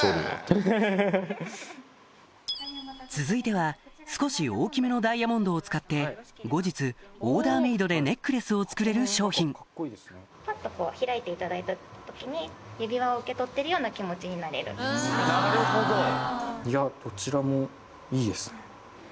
続いては少し大きめのダイヤモンドを使って後日オーダーメイドでネックレスを作れる商品なるほど！